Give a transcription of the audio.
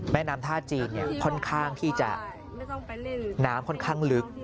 แม่น้ำท่าจีนค่อนข้างที่จะน้ำค่อนข้างลึก